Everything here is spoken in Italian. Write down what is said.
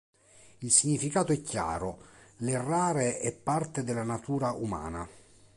Il significato è chiaro: l'errare è parte della natura umana.